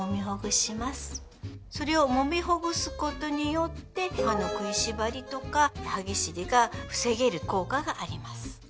それをもみほぐすことによって歯の食いしばりとか歯ぎしりが防げる効果があります。